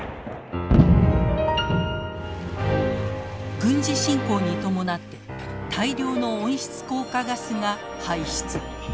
軍事侵攻に伴って大量の温室効果ガスが排出。